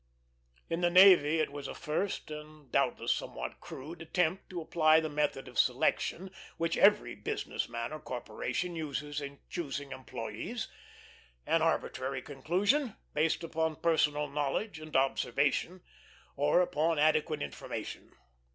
In the navy it was a first, and doubtless somewhat crude, attempt to apply the method of selection which every business man or corporation uses in choosing employés; an arbitrary conclusion, based upon personal knowledge and observation, or upon adequate information.